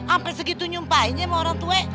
ampe segitu nyumpainya sama orang tua